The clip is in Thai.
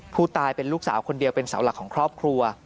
ผู้ตายเป็นลูกสาวคนเดียวเป็นเสาหลักของครอบครัว